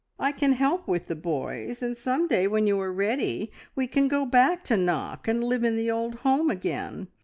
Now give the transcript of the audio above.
I can help with the boys, and some day, when you are ready, we can go back to Knock, and live in the old home again!